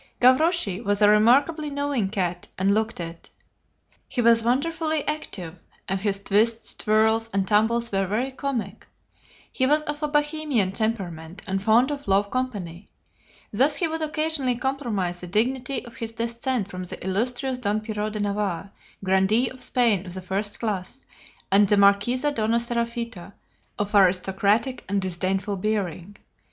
"Gavroche was a remarkably knowing cat, and looked it. He was wonderfully active, and his twists, twirls, and tumbles were very comic. He was of a Bohemian temperament, and fond of low company. Thus he would occasionally compromise the dignity of his descent from the illustrious Don Pierrot de Navarre, grandee of Spain of the first class, and the Marquesa Dona Seraphita, of aristocratic and disdainful bearing.